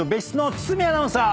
堤アナウンサー？